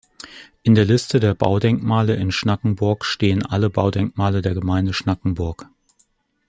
In der Liste der Baudenkmale in Schnackenburg stehen alle Baudenkmale der Gemeinde Schnackenburg.